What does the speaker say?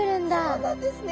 そうなんですね。